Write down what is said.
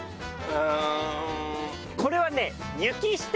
これはね。